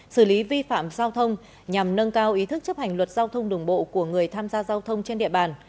xử lý vi phạm giao thông nhằm nâng cao ý thức chấp hành luật giao thông đường bộ của người tham gia giao thông trên địa bàn